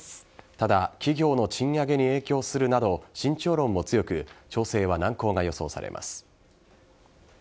ただ企業の賃上げに影響するなど慎重論も強く調整は難航が予想されます。